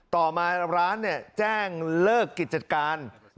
ต่อมาร้านเนี่ยแจ้งเลิกกิจจัดการ